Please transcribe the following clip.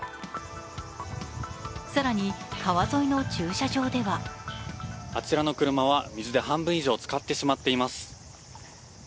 更に、川沿いの駐車場ではあちらの車は水で半分以上、つかってしまっています。